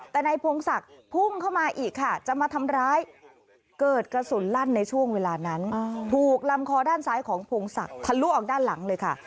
แต่นายพงศักดิ์พุ่งเข้ามาอีกค่ะจะมาทำร้ายเกิดกระสุนลั่นในช่วงเวลานั้นถูกลำคอด้านซ้ายของพงศักดิ์ทะลุออกด้านหลังเลยค่ะ